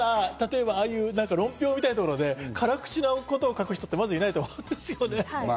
論評みたいなところで辛口なことを書く人ってまずいないと思うんですよね。